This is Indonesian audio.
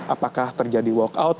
apakah terjadi walkout